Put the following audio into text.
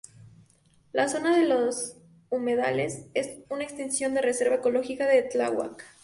La zona de Los Humedales es una extensión de reserva ecológica de Tláhuac.